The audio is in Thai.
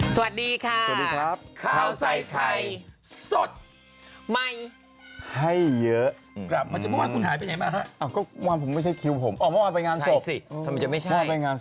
สวัสดีค่ะสวัสดีครับข้าวใส่ไข่สดใหม่ให้เยอะ